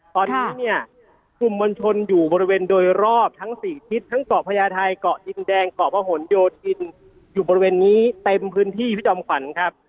ตอนนี้เนี่ยกลุ่มมวลชนอยู่บริเวณโดยรอบทั้ง๔ทิศทั้งเกาะพญาไทยเกาะดินแดงเกาะพะหนโยธินอยู่บริเวณนี้เต็มพื้นที่พี่จอมขวัญครับ